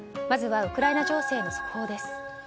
まずはウクライナ情勢の速報です。